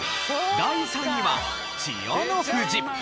第３位は千代の富士。